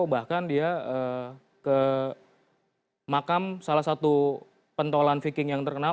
bahkan dia ke makam salah satu pentolan viking yang terkenal